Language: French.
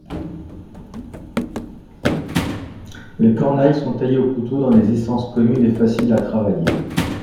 Les cornailles sont taillées au couteau dans des essences communes et faciles à travailler.